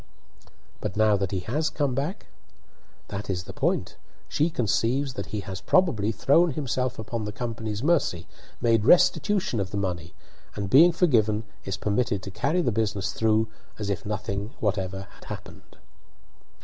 "But now that he has come back?" "That is the point. She conceives that he has probably thrown himself upon the company's mercy, made restitution of the money, and, being forgiven, is permitted to carry the business through as if nothing whatever had happened."